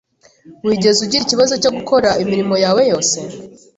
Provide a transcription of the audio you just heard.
Wigeze ugira ikibazo cyo gukora imirimo yawe yose?